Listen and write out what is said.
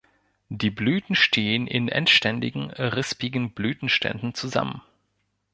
Die Blüten stehen in endständigen rispigen Blütenständen zusammen.